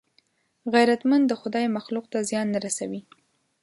غیرتمند د خدای مخلوق ته زیان نه رسوي